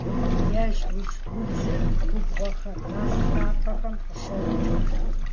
Ежьужьудзыр губгъуэхэм, мэз лъапэхэм къыщокӏ.